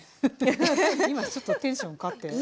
今ちょっとテンション変わって。